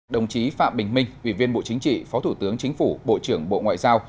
đồng chí phạm bình minh ủy viên bộ chính trị phó thủ tướng chính phủ bộ trưởng bộ ngoại giao